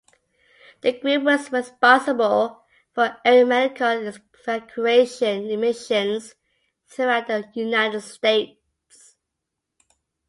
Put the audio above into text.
The group was responsible for aeromedical evacuation missions throughout the United States.